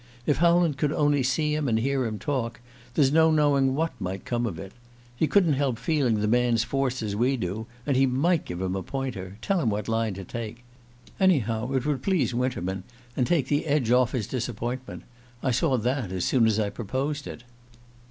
If Howland could only see him and hear him talk, there's no knowing what might come of it. He couldn't help feeling the man's force, as we do; and he might give him a pointer tell him what line to take. Anyhow, it would please Winterman, and take the edge off his disappointment. I saw that as soon as I proposed it."